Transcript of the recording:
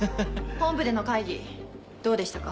本部での会議どうでしたか？